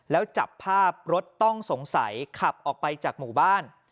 แล้วจับภาพรถต้องสงสัยขับออกไปจากหมู่บ้าน